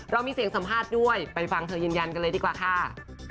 มีเสียงสัมภาษณ์ด้วยไปฟังเธอยืนยันกันเลยดีกว่าค่ะ